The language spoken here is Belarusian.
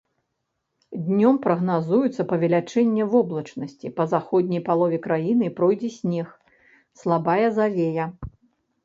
Днём прагназуецца павелічэнне воблачнасці, па заходняй палове краіны пройдзе снег, слабая завея.